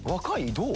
どう？